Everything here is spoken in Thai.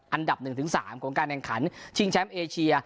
อันดับ๑๓ของการแข่งขันชิงแชมป์เอเชีย